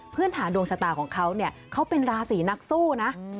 หาดวงชะตาของเขาเนี่ยเขาเป็นราศีนักสู้นะ